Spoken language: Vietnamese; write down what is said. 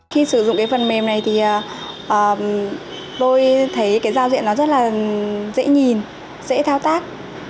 khi sử dụng phần mềm này tôi thấy giao diện rất dễ nhìn dễ thao tác